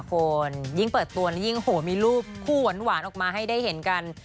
คุณยิ่งเปิดตัวนี่ยิ่งโหมีรูปคู่หวานออกมาให้ได้เห็นกัน